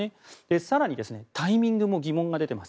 更に、タイミングも疑問が出ています。